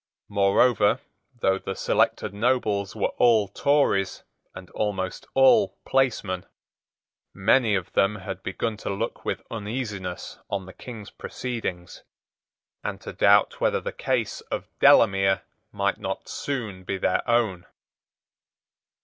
Moreover, though the selected nobles were all Tories, and almost all placemen, many of them had begun to look with uneasiness on the King's proceedings, and to doubt whether the case of Delamere might not soon be their own.